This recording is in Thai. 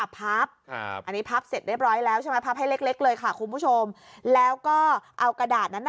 พับอับพับอ่ะ